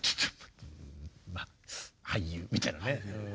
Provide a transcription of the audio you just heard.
まあ俳優みたいなね。